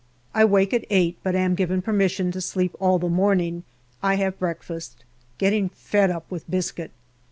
I wake at eight, but am given permission to sleep all the morning. I have breakfast. Getting fed up with biscuit.